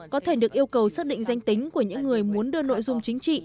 có thể được yêu cầu xác định danh tính của những người muốn đưa nội dung chính trị